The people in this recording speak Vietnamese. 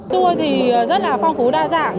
tour thì rất là phong phú đa dạng